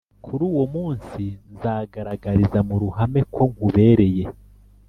kuruwo munsi nzagaragariza muruhame ko nkubereye."